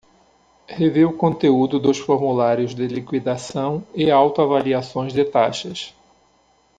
Rever o conteúdo dos formulários de liquidação e auto-avaliações de taxas.